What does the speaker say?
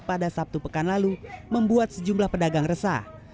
pada sabtu pekan lalu membuat sejumlah pedagang resah